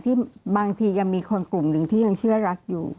บางทียังมีคนกลุ่มหนึ่งที่ยังเชื่อรักอยู่